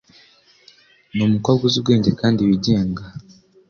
Ni umukobwa uzi ubwenge kandi wigenga.